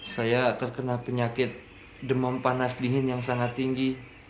saya terkena penyakit demam panas dingin yang sangat tinggi